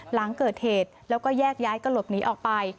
หลังเกิดเหตุแล้วก็แยกย้ายกระหลบหนีออกไป